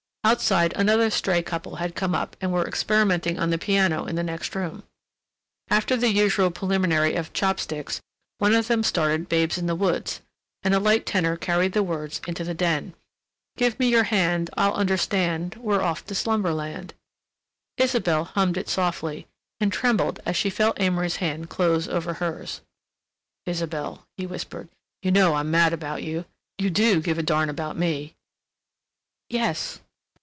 Outside another stray couple had come up and were experimenting on the piano in the next room. After the usual preliminary of "chopsticks," one of them started "Babes in the Woods" and a light tenor carried the words into the den: "Give me your hand I'll understand We're off to slumberland." Isabelle hummed it softly and trembled as she felt Amory's hand close over hers. "Isabelle," he whispered. "You know I'm mad about you. You do give a darn about me." "Yes."